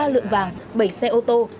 hai mươi bốn ba lượng vàng bảy xe ô tô